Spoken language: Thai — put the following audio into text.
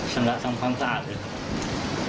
ชั้นละทั้งความสะอาดเลยครับ